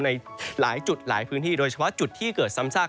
ในหลายจุดหลายพื้นที่โดยเฉพาะจุดที่เกิดซ้ำซาก